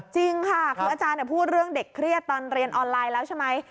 จริงค่ะคืออาจารย์พูดเรื่องเด็กเครียดตอนเรียนออนไลน์แล้วใช่ไหม